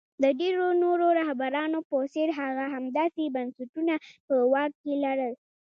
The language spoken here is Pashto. د ډېرو نورو رهبرانو په څېر هغه هم داسې بنسټونه په واک کې لرل.